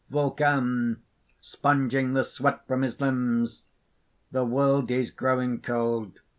_) VULCAN (sponging the sweat from his limbs): "The world is growing cold.